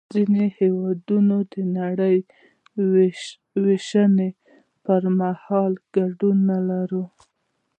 ځینې هېوادونه د نړۍ وېشنې پر مهال ګډون نلري